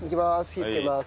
火つけます。